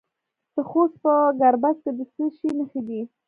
د خوست په ګربز کې د څه شي نښې دي؟